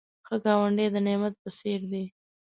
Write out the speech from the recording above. ښه ګاونډی د نعمت په څېر دی